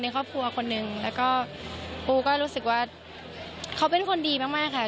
เขาเป็นคนดีมากค่ะ